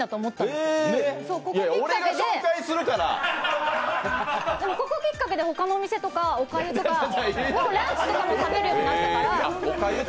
でも、ここきっかけでおかゆとかランチとかも食べるようになったから。